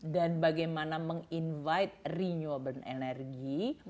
dan bagaimana meng invite renewable energy